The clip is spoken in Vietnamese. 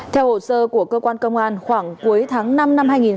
theo hồ sơ của cơ quan công an khoảng cuối tháng năm năm hai nghìn hai mươi ba